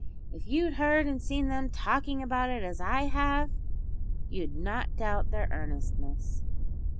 If you'd heard and seen them talking about it as I have, you'd not doubt their earnestness.